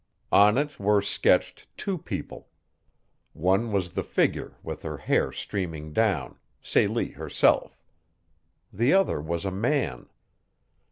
On it were sketched two people. One was a figure with her hair streaming down Celie herself. The other was a man.